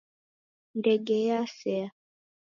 Ndege yasea.